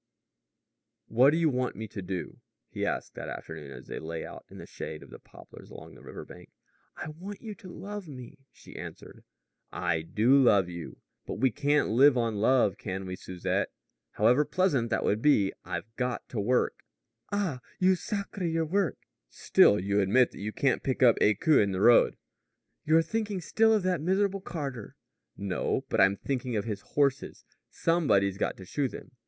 "What do you want me to do?" he asked that afternoon as they lay out in the shade of the poplars along the river bank. "I want you to love me," she answered. "I do love you. But we can't live on love can we, Susette? however pleasant that would be. I've got to work." "Ah, your sacré work!" "Still, you'll admit that you can't pick up écus in the road." "You're thinking still of that miserable carter." "No; but I'm thinking of his horses. Somebody's got to shoe them.